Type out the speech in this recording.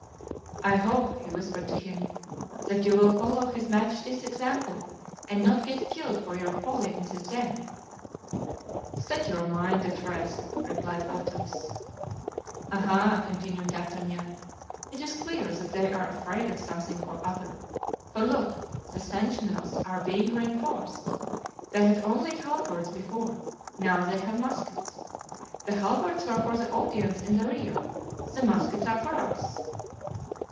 "I hope," he whispered to him, "that you will follow his majesty's example and not get killed for your folly in this den." "Set your mind at rest," replied Athos. "Aha!" continued D'Artagnan, "it is clear that they are afraid of something or other; for look, the sentinels are being reinforced. They had only halberds before, now they have muskets. The halberds were for the audience in the rear; the muskets are for us."